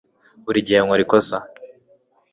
Buri gihe nkora ikosa